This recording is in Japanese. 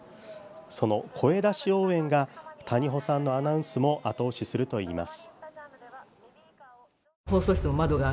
その声出し応援が谷保さんのアナウンスも後押しするといいます。